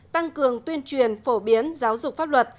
tăng cường tuyên truyền phổ biến giáo dục pháp luật